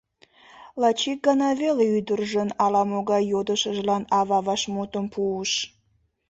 Лач ик гана веле ӱдыржын ала-могай йодышыжлан ава вашмутым пуыш.